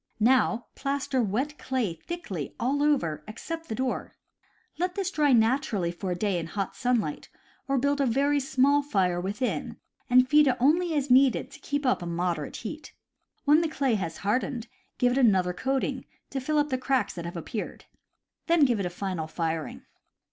Now plaster wet clay thickly over all except the door. Let this dry naturally for a day in hot sunlight, or build a very small fire within and feed it only as needed to keep up a moderate heat. When the clay has hard ened, give it another coating, to fill up the cracks that have appeared. Then give it a final firing.